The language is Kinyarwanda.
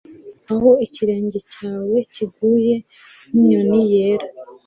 Aho ikirenge cyawe kiguye nkinyoni yera